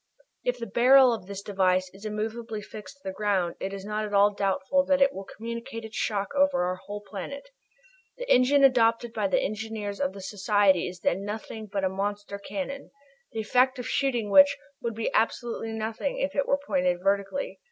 If the barrel of this device is immovably fixed to the ground it is not at all doubtful that it will communicate its shock over our whole planet. The engine adopted by the engineers of the Society is then nothing else but a monster cannon, the effect of shooting which would be absolutely nothing if it were pointed vertically.